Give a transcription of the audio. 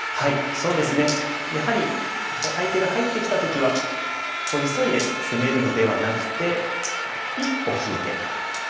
そうですねやはり相手が入ってきた時は急いで攻めるのではなくて一歩引いて。